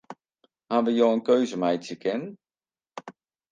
Hawwe jo in keuze meitsje kinnen?